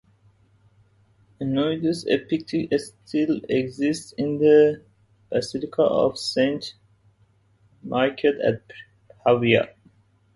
Ennodius' epitaph still exists in the basilica of Saint Michael at Pavia.